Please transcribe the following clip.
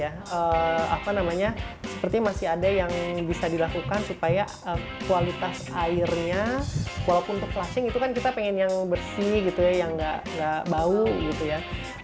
apa namanya seperti masih ada yang bisa dilakukan supaya kualitas airnya walaupun untuk flushing itu kan kita pengen yang bersih gitu ya yang nggak bau gitu ya